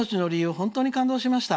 本当に感動しました。